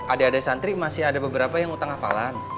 adik adik santri masih ada beberapa yang utang hafalan